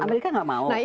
amerika nggak mau